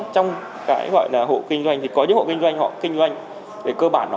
trong hộ kinh doanh có những hộ kinh doanh kinh doanh cơ bản